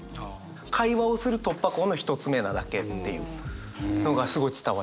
会話をする突破口の一つ目なだけっていうのがすごい伝わりました。